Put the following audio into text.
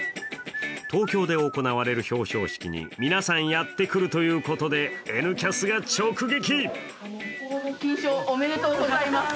東京で行われる表彰式に皆さんやってくるということで「Ｎキャス」が直撃。